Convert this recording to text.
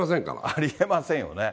ありえませんよね。